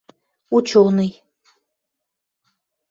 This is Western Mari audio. учёный